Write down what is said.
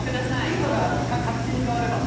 ヒントが確信に変われば。